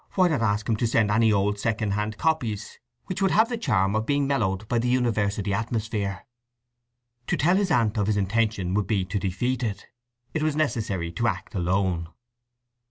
Why not ask him to send any old second hand copies, which would have the charm of being mellowed by the university atmosphere? To tell his aunt of his intention would be to defeat it. It was necessary to act alone.